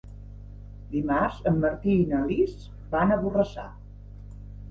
Dimarts en Martí i na Lis van a Borrassà.